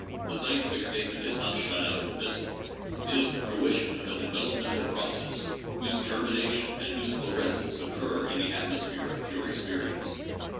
The scientific statement is not shot out of a pistol : it is the fruition of a developmental process whose ger mination and whose florescence occur in the atmosphere of ' pure experience.'